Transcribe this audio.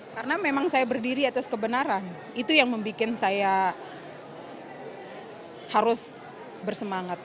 karena memang saya berdiri atas kebenaran itu yang membuat saya harus bersemangat